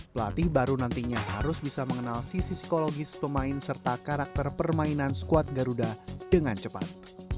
pelatih baru nantinya harus bisa mengenal sisi psikologis pemain serta karakter permainan skuad garuda dengan cepat